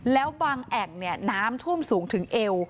แล้วบางแอ่งน้ำท่วมสูงถึงเอว